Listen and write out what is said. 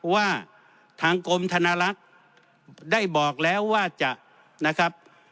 ว่าทางกรมธนลักษณ์ได้บอกแล้วว่าจะนะครับ